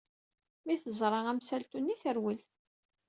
Mi teẓra amsaltu-nni, terwel.